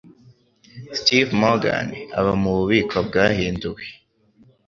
Steve Morgan aba mu bubiko bwahinduwe